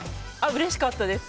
うれしかったです。